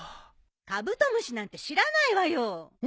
・カブトムシなんて知らないわよ。